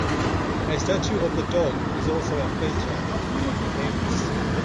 A statue of the dog is also a feature of the campus.